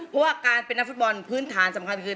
เพราะว่าการเป็นนักฟุตบอลพื้นฐานสำคัญคือ